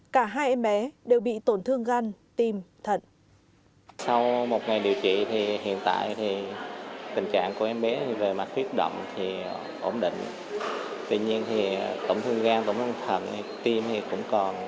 cả hai em bé đều bị tổn thương gan tim thận